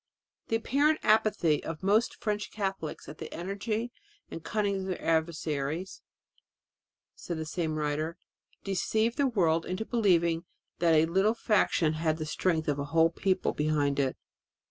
"The apparent apathy of most French Catholics, the energy and cunning of their adversaries," said the same writer, "deceived the world into believing that a little faction had the strength of a whole people behind it